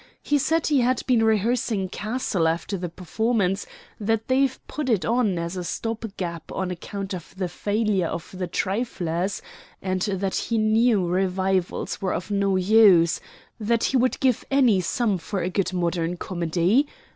He said he had been rehearsing 'Caste' after the performance; that they've put it on as a stop gap on account of the failure of the 'Triflers,' and that he knew revivals were of no use; that he would give any sum for a good modern comedy.